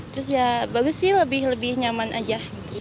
terus ya bagus sih lebih nyaman aja